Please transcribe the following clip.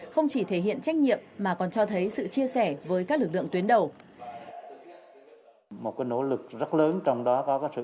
không chỉ thể hiện trách nhiệm mà còn cho thấy sự chia sẻ với các lực lượng tuyến đầu